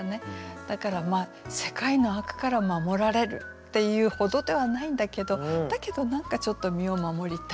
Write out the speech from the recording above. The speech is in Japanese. だから世界の悪から守られるっていうほどではないんだけどだけど何かちょっと身を守りたい感じ。